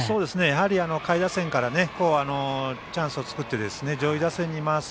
やはり、下位打線からチャンスを作って上位打線に回す。